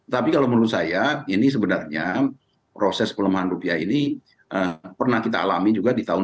tapi kalau menurut saya ini sebenarnya proses pelemahan rupiah ini pernah kita alami juga di tahun dua ribu dua